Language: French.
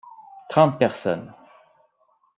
Trente personnes.